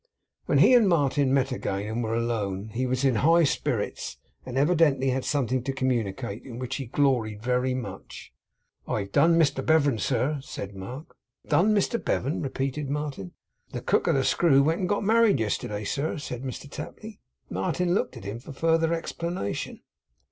When he and Martin met again, and were alone, he was in high spirits, and evidently had something to communicate, in which he gloried very much. 'I've done Mr Bevan, sir,' said Mark. 'Done Mr Bevan!' repeated Martin. 'The cook of the Screw went and got married yesterday, sir,' said Mr Tapley. Martin looked at him for farther explanation.